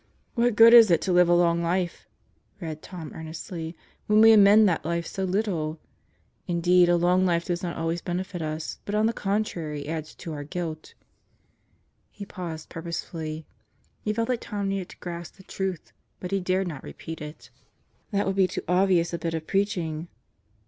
"What good is it to live a long life," read Tom earnestly, "when we amend that life so little? Indeed a long life does not always benefit us, but on the contrary, adds to our guilt." He paused purposefully. He felt that Bob needed to grasp that truth, but he dared not repeat it. That would be too obvious a bit of preaching.